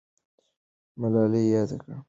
ملالۍ یاده کړه.